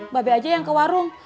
babe aja yang ke warung